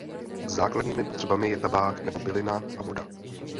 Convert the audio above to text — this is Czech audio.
Základními potřebami je tabák nebo bylina a voda.